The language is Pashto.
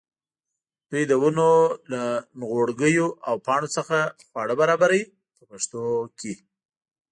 دوی د ونو له نغوړګیو او پاڼو څخه خواړه برابروي په پښتو کې.